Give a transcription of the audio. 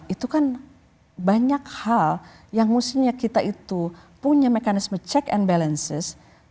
itu kan banyak hal yang mestinya kita itu punya mekanisme check and balances